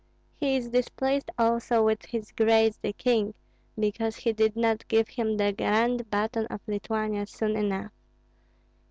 He is displeased also with his Grace the king, because he did not give him the grand baton of Lithuania soon enough.